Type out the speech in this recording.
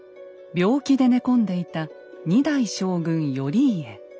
病気で寝込んでいた２代将軍頼家。